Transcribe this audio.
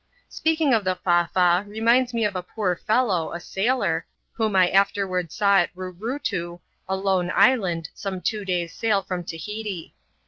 Speaking of the Fa Fa, reminds me of a poor fellow, a sailor, whom I afterward saw at Roorootoo, a lone island, some two days' sail from Tahiti.